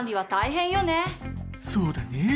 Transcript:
そうだね。